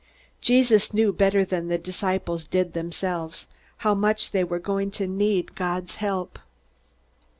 Jesus knew, better than the disciples did themselves, how much they were going to need God's help.